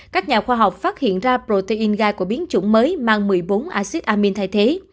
các nhà khoa học phát hiện ra protein gai của biến chủng mới mang một mươi bốn acid amin thay thế